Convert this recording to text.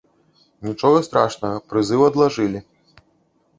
Нічога страшнага, прызыў адлажылі.